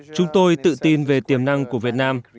chúng tôi tự tin về tiềm năng của việt nam